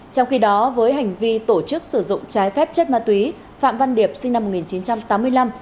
trong khi đó với hành vi tổ chức sử dụng trái phép chất ma túy phạm văn điệp sinh năm một nghìn chín trăm tám mươi năm